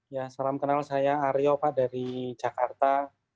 ya salam kenal saya aryo pak dari jakarta